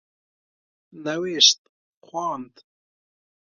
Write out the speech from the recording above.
نوشت خواند